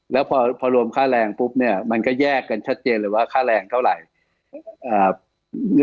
แล้วพอรวมค่าแรงปุ๊บเนี่ยมันก็แยกกันชัดเจนเลยว่าค่าแรงเท่าไหร่